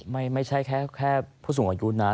ไม่ใช่แค่ผู้สูงอายุนะ